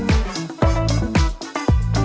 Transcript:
มาจากงานเทพ